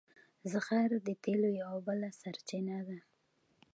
زغر د تیلو یوه بله سرچینه ده.